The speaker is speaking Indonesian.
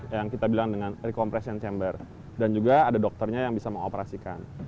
yang kita bilang dengan recompression chamber dan juga ada dokternya yang bisa mengoperasikan